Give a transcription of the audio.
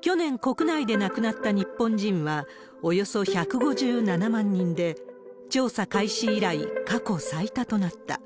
去年、国内で亡くなった日本人はおよそ１５７万人で、調査開始以来、過去最多となった。